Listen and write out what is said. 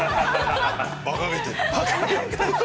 ◆ばかげてる。